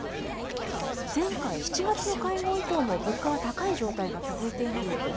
前回・７月の会合以降も物価は高い状態が続いていますよね。